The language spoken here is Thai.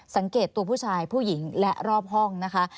สังเกตตัวผู้ชายผู้หญิงและรอบห้องนะคะ